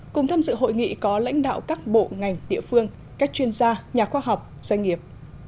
cùng tham dự hội nghị có lãnh đạo các bộ ngành địa phương các chuyên gia nhà khoa học doanh nghiệp